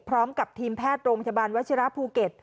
พร้อมกับทีมแพทย์โรงพยาบาลวัชิระภูเก็ต